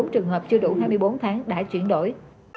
hai mươi bốn trường hợp chưa đủ hai mươi bốn tháng đã chuyển đổi